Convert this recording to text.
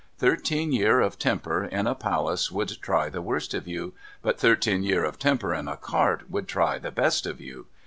Thirteen year of temper in a Palace would try the worst of you, but thirteen year of temper in a Cart would try the best of you.